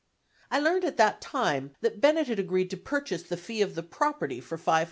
I learned at that time that Bennett had agreed to purchase the fee of the property for $500,000.